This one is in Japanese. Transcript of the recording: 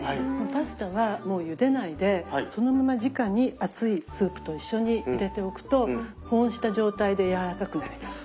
パスタはもうゆでないでそのままじかに熱いスープと一緒に入れておくと保温した状態でやわらかくなります。